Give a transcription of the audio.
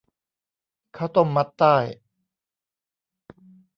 ข้าวต้มมัดไต้